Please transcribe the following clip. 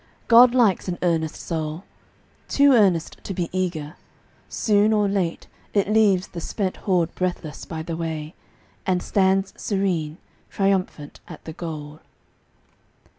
God likes an earnest soul Too earnest to be eager. Soon or late It leaves the spent horde breathless by the way, And stands serene, triumphant at the goal.